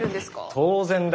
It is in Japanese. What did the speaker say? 当然だ。